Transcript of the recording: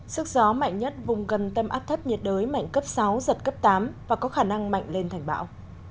sức gió mạnh nhất vùng gần tâm áp thấp nhiệt đới mạnh cấp sáu giật cấp tám và có khả năng mạnh lên thành bão